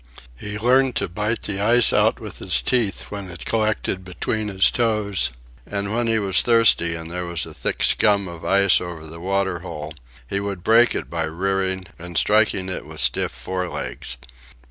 He learned to bite the ice out with his teeth when it collected between his toes; and when he was thirsty and there was a thick scum of ice over the water hole, he would break it by rearing and striking it with stiff fore legs.